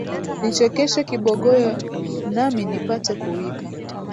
Nichekeshe kibogoyo, nami nipate kuwika,